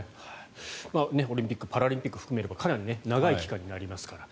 オリンピック・パラリンピック含めればかなり長い期間になりますから。